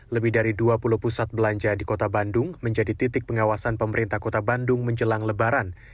lebih dari dua puluh pusat belanja di kota bandung menjadi titik pengawasan pemerintah kota bandung menjelang lebaran